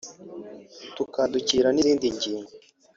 tukadukira n’izindi ngingo